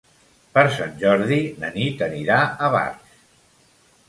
Per Sant Jordi na Nit anirà a Barx.